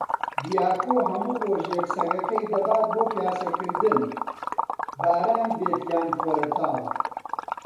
دیاکۆ هەموو ڕۆژێک سەگەکەی دەبات بۆ پیاسەکردن، باران بێت یان خۆرەتاو.